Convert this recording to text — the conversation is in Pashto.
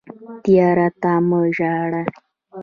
تیر ته مه ژاړئ